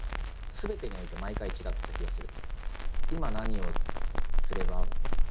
すべてにおいて毎回違った気がする。